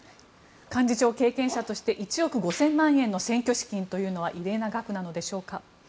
幹事長経験者として１億５０００万円の選挙資金というのは異例な額なんでしょうか？